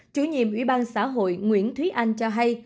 chủ nhiệm ủy ban xã hội nguyễn thúy anh cho hay